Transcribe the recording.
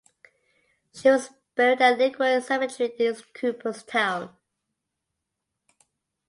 She was buried at Lakewood Cemetery in Cooperstown.